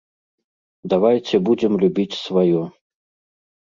Давайце будзем любіць сваё.